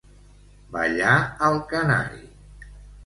Ballar el canari.